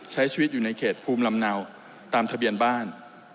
ใช้ชีวิตอยู่ในเขตภูมิลำเนาตามทะเบียนบ้าน